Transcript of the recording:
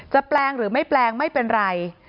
แปลงหรือไม่แปลงไม่เป็นไร